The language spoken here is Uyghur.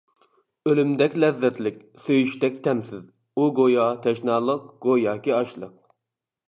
ئۆلۈمدەك لەززەتلىك، سۆيۈشتەك تەمسىز، ئۇ گويا تەشنالىق گوياكى ئاچلىق.